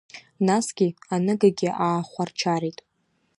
Нас аныгагьы аахәарчарит.